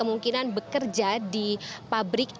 kemungkinan bekerja di pabrik